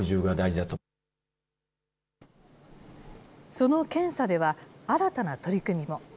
その検査では、新たな取り組みも。